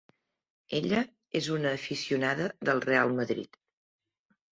Ella és una aficionada del Real Madrid.